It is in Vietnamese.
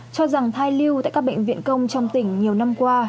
cho rằng thai lưu tại các bệnh viện công trong tỉnh nhiều năm qua